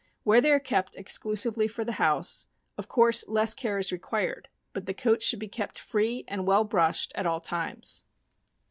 Where they are kept exclusively for the house, of course less care is required, but the coat should be kept free and well brushed at all times.